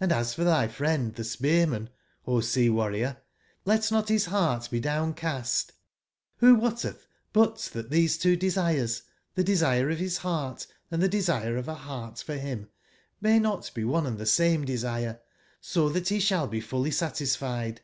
Hnd as for thy friend the Spearman, O Sea/warrior, let not his heart be down cast, mbo wotteth but that these two desires, the desire of his heart, and the desire of a heart for him, may not be one and the same desire, so that he shall be fully satisfied